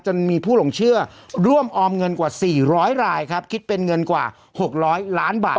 จะมีผู้หลงเชื่อร่วมออมเงินกว่าสี่ร้อยรายครับคิดเป็นเงินกว่าหกร้อยล้านบาท